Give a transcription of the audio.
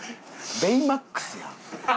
ベイマックスやん。